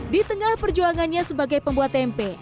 di tengah perjuangannya sebagai pembuat tempe